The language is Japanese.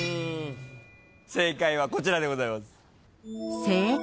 正解はこちらでございます。